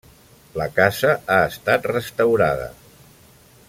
La casa ha estat restaurada.